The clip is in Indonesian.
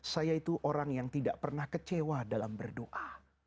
saya itu orang yang tidak pernah kecewa dalam berdoa